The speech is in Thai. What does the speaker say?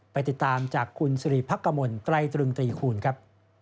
ไปติดตามจากคุณสิริพักกมลไตรตรึงตรีคูณครับ